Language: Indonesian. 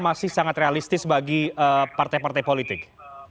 masih sangat realistis bagi partai partai politik